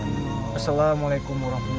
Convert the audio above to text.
assalamualaikum wr wb